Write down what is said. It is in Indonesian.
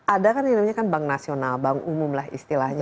ada kan yang namanya kan bank nasional bank umum lah istilahnya